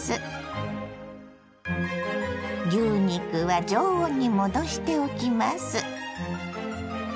牛肉は常温に戻しておきます。